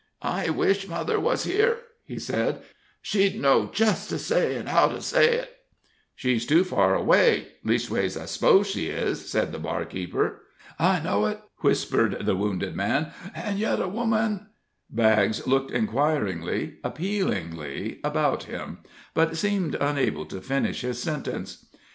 "I wish mother was here!" he said. "She'd know just to say and how to say it." "She's too far away; leastways, I suppose she is," said the barkeeper. "I know it," whispered the wounded man; "an' yet a woman " Baggs looked inquiringly, appealingly about him, but seemed unable to finish his sentence.